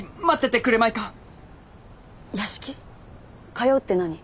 通うって何？